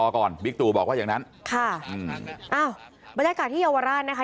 ก่อนบิ๊กตูบอกว่าอย่างนั้นค่ะอืมอ้าวบรรยากาศที่เยาวราชนะคะ